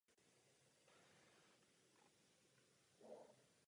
Jeho starší bratr Josef Smolka byl rovněž prvoligovým fotbalistou.